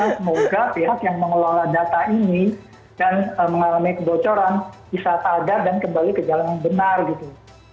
semoga pihak yang mengelola data ini dan mengalami kebocoran bisa sadar dan kembali ke jalan yang benar gitu